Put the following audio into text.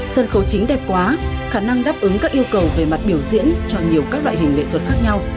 sân khấu chính đẹp quá khả năng đáp ứng các yêu cầu về mặt biểu diễn cho nhiều các loại hình nghệ thuật khác nhau